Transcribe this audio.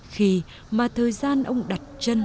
khi mà thời gian ông đặt chân